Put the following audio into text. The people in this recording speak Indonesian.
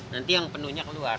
nanti yang penuhnya keluar